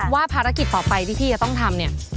ว่าภารกิจต่อไปที่พี่จะต้องทำเนี่ย